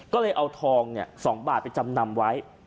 ก็เลยเอาทอง๒บาทไปจำนำไว้